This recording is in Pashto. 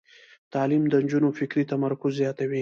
تعلیم د نجونو فکري تمرکز زیاتوي.